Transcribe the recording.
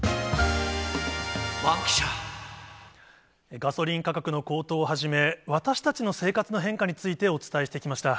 ガソリン価格の高騰をはじめ、私たちの生活の変化についてお伝えしてきました。